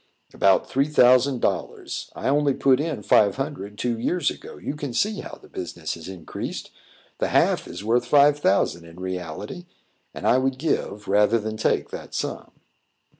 "About three thousand dollars. I only put in five hundred, two years ago. You can see how the business has increased. The half is worth five thousand in reality, and I would give, rather than take that sum."